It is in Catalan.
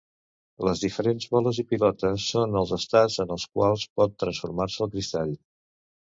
Les diferents boles i pilotes són els estats en els quals pot transformar-se el cristall.